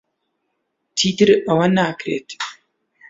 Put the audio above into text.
چیتر ئەوە ناکرێت.